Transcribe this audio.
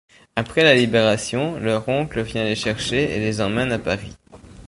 Après la Libération, leur oncle vient les chercher et les emmène à Paris.